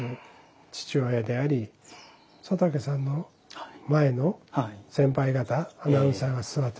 父親であり佐竹さんの前の先輩方アナウンサーが座ってたんですよね。